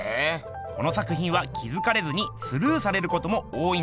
この作ひんは気づかれずにスルーされることも多いんだそうです。